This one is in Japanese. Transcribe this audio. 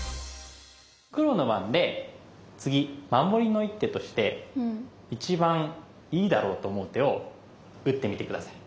黒の番で次守りの一手として一番いいだろうと思う手を打ってみて下さい。